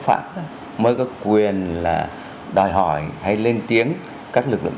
pháp mới có quyền là đòi hỏi hay lên tiếng các lực lượng